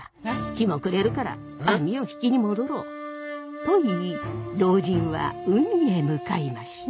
日も暮れるから網を引きに戻ろう」と言い老人は海へ向かいました。